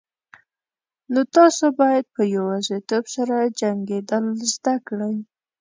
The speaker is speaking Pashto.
نو تاسو باید په یوازیتوب سره جنگیدل زده کړئ.